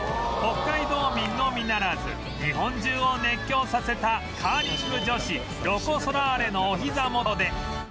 北海道民のみならず日本中を熱狂させたカーリング女子ロコ・ソラーレのおひざ元で